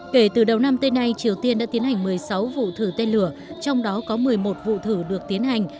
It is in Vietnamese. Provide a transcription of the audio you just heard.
kể từ đầu năm tới nay triều tiên đã tiến hành một mươi sáu vụ thử tên lửa trong đó có một mươi một vụ thử được tiến hành